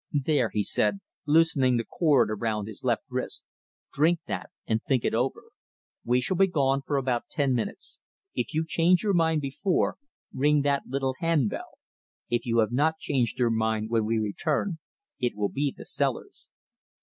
"There," he said, loosening the cord around his left wrist, "drink that, and think it over. We shall be gone for about ten minutes. If you change your mind before, ring that little hand bell. If you have not changed your mind when we return, it will be the cellars."